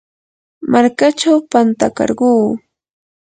markachaw pantakarquu.